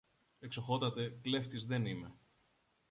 Εξοχότατε, κλέφτης δεν είμαι.